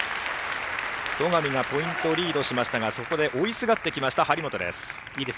戸上がポイントリードしましたがそこで追いすがってきました張本です。